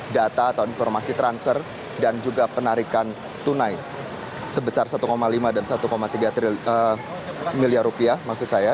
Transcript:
data atau informasi transfer dan juga penarikan tunai sebesar satu lima dan satu tiga miliar rupiah maksud saya